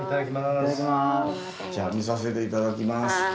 いただきます。